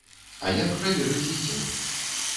А як праверыць ісціну?